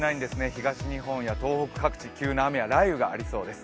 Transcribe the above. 東日本や東北各地急な雷雨がありそうです。